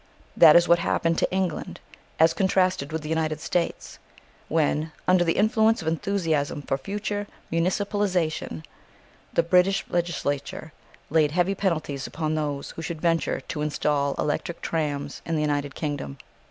This is what happened to England, as contrasted with the United States, when, under the influence of enthusiasm for future municipalisation, the British Legislature laid heavy penalties upon those who should venture to instal electric trams in the United Kingdom.